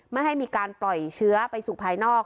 ไม่ให้มีการปล่อยเชื้อไปสู่ภายนอก